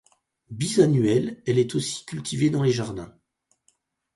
Bisannuelle, elle est aussi cultivée dans les jardins.